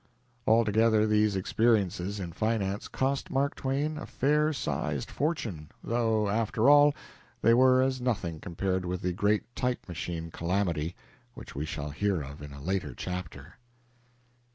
Altogether, these experiences in finance cost Mark Twain a fair sized fortune, though, after all, they were as nothing compared with the great type machine calamity which we shall hear of in a later chapter.